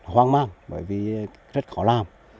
hoang mang bởi vì rất khó làm